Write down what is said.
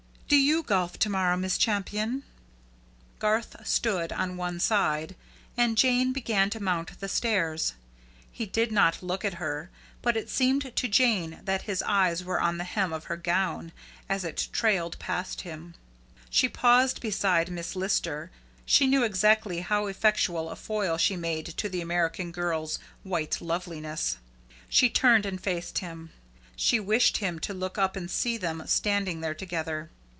Do you golf to morrow, Miss Champion?" Garth stood on one side, and Jane began to mount the stairs. He did not look at her, but it seemed to Jane that his eyes were on the hem of her gown as it trailed past him. She paused beside Miss Lister. She knew exactly how effectual a foil she made to the American girl's white loveliness. She turned and faced him. She wished him to look up and see them standing there together.